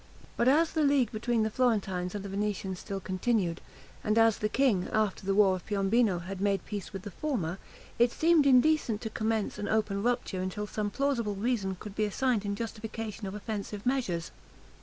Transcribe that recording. But as the league between the Florentines and the Venetians still continued, and as the king, after the war of Piombino, had made peace with the former, it seemed indecent to commence an open rupture until some plausible reason could be assigned in justification of offensive measures.